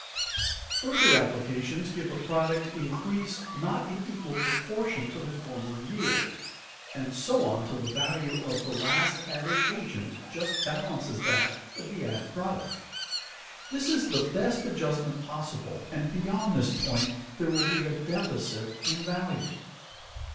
Further applications give a product increased not in equal proportion to the former yield, and so on till the value of the last added agent just balances that of the added product. This is the best adjustment possible, and beyond this point there will be a deficit in value.